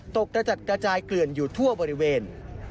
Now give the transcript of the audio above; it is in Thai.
กระจัดกระจายเกลื่อนอยู่ทั่วบริเวณ